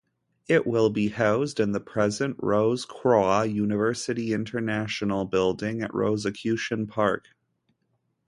It will be housed in the present "Rose-Croix University International" building at Rosicrucian Park.